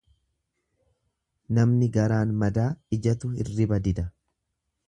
Namni garaan madaa ijatu hirriba dida.